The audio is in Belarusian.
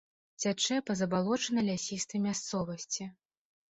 Цячэ па забалочанай лясістай мясцовасці.